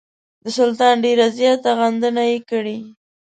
د سلطان ډېره زیاته غندنه یې کړې.